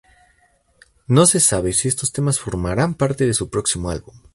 No se sabe si estos temas formarán parte de su próximo álbum.